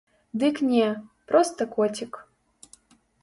Дык не, проста коцік.